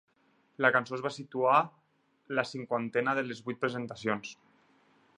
La cançó es va situar la cinquena de les vuit presentacions.